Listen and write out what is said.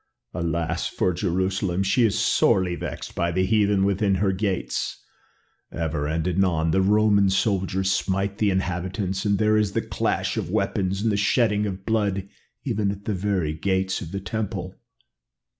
Alas for Jerusalem! she is sorely vexed by the heathen within her gates. Ever and anon the Roman soldiers smite the inhabitants and there is the clash of weapons and the shedding of blood even at the very gates of the temple."